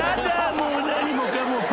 もう何もかも］